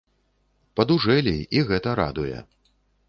Падужэлі, і гэта радуе.